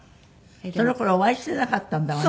その頃お会いしていなかったんだわね。